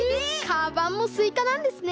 かばんもスイカなんですね。